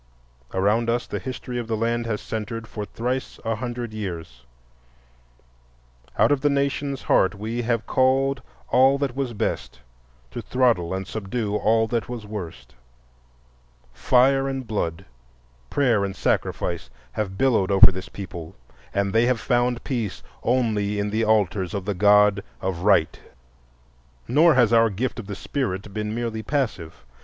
Around us the history of the land has centred for thrice a hundred years; out of the nation's heart we have called all that was best to throttle and subdue all that was worst; fire and blood, prayer and sacrifice, have billowed over this people, and they have found peace only in the altars of the God of Right. Nor has our gift of the Spirit been merely passive.